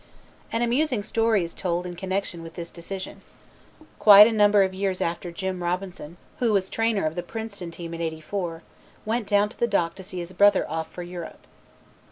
An amusing story is told in connection with this decision. Quite a number of years after Jim Robinson who was trainer of the Princeton team in '84, went down to the dock to see his brother off for Europe.